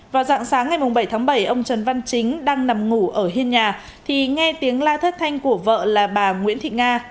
vào dạng sáng ngày bảy tháng bảy ông trần văn chính đang nằm ngủ ở hiên nhà thì nghe tiếng la thất thanh của vợ là bà nguyễn thị nga